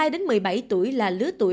một mươi hai đến một mươi bảy tuổi là lứa tuổi